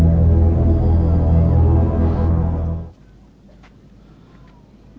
tidak ada yang bisa diberikan